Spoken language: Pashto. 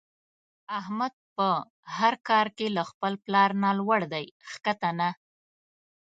احمد په هر کار کې له خپل پلار نه لوړ دی ښکته نه.